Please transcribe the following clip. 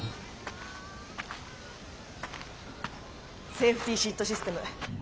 セーフティシットシステム作動！